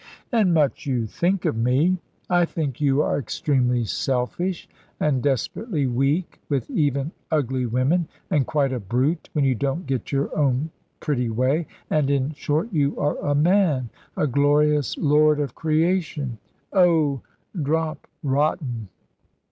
"And much you think of me!" "I think you are extremely selfish, and desperately weak with even ugly women, and quite a brute when you don't get your own pretty way, and in short, you are a man, a glorious lord of creation." "Oh, drop rottin'."